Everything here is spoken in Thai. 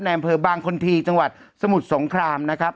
อำเภอบางคนทีจังหวัดสมุทรสงครามนะครับ